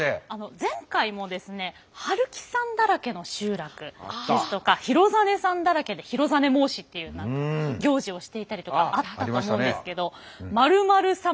前回もですね春木さんだらけの集落ですとか廣實さんだらけで廣實申しっていう行事をしていたりとかあったと思うんですけど○○サマだらけ。